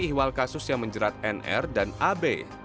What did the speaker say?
ini iwal kasus yang menjerat nr dan ab